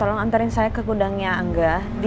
oke mungkin mungkin tuh kita tentu elderly